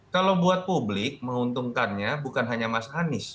kalau buat publik menguntungkannya bukan hanya mas anies